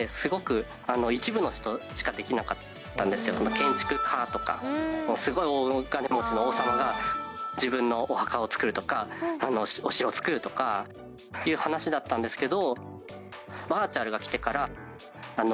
建築家とかすごい大金持ちの王様が自分のお墓を造るとかお城を造るとかいう話だったんですけど。